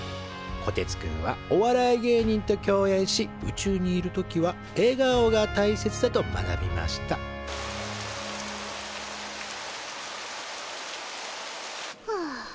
こてつくんはお笑い芸人と共演し宇宙にいる時はえがおがたいせつだと学びましたはあ。